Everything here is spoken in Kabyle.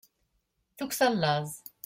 tukksa n laẓ